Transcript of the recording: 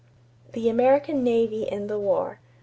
=The American Navy in the War.